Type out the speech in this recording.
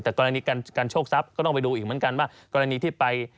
แต่กรณีการโชคทรัพย์ก็ต้องไปดูอีกเหมือนกันว่า